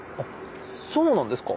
そうなんですか？